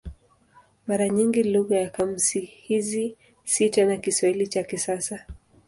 Mara nyingi lugha ya kamusi hizi si tena Kiswahili cha kisasa.